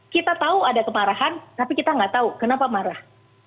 kita tahu ada kemarahan tapi kita nggak tahu kenapa marah